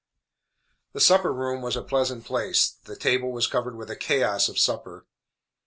The supper room was a pleasant place. The table was covered with a chaos of supper.